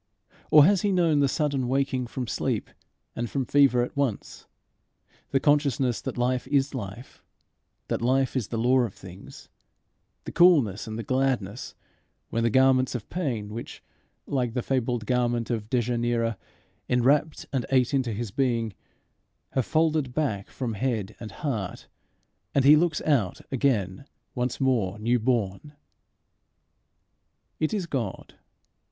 Or has he known the sudden waking from sleep and from fever at once, the consciousness that life is life, that life is the law of things, the coolness and the gladness, when the garments of pain which, like that fabled garment of Dejanira, enwrapped and ate into his being, have folded back from head and heart, and he looks out again once more new born? It is God.